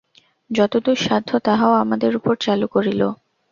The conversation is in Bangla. যতদূর সাধ্য তাহাও আমাদের উপর চালু করিল।